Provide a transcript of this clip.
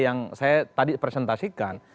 yang saya tadi presentasikan